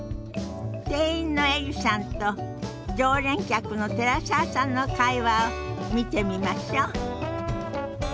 店員のエリさんと常連客の寺澤さんの会話を見てみましょ。